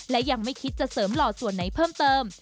และยังไม่คิดจะเสริมหล่อส่วนไหนเพิ่มเติม